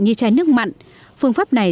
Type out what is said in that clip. như chai nước mặn phương pháp này